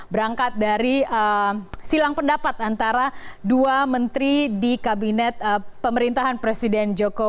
berangkat dari silang pendapat antara dua menteri di kabinet pemerintahan presiden jokowi